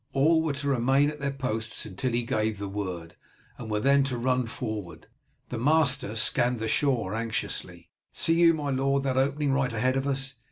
All were to remain at their posts until he gave the word, and were then to run forward. The master scanned the shore anxiously. "See you, my lord, that opening right ahead of us?